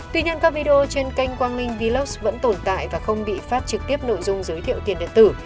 tuy nhiên các video trên kênh quang minh vox vẫn tồn tại và không bị phát trực tiếp nội dung giới thiệu tiền điện tử